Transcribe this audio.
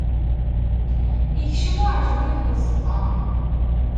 Ikcem uɛejmi deg uzeṭṭa.